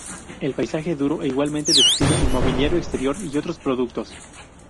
El paisaje duro, igualmente describe el mobiliario exterior y otros productos.